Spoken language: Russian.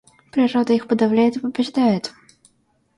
Природа их подавляет и побеждает.